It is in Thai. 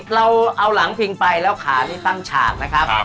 เราเอาหลังพิงไปแล้วขานี่ตั้งฉากนะครับ